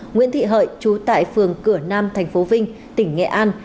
nguyễn thị hợi chú tại phường cửa nam tp vinh tỉnh nghệ an